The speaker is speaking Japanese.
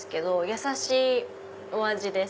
やさしいお味です。